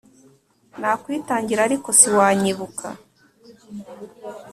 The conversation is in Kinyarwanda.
nakwitangira ariko si wanyibuka